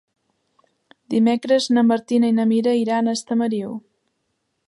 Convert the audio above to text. Dimecres na Martina i na Mira iran a Estamariu.